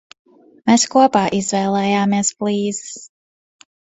Mēs kopā izvēlējāmies flīzes.